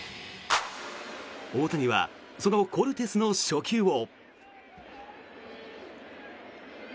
大谷はそのコルテスの初球を。